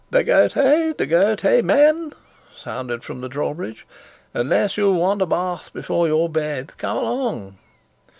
"De Gautet, De Gautet, man!" sounded from the drawbridge. "Unless you want a bath before your bed, come along!"